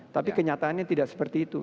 tapi kenyataannya tidak seperti itu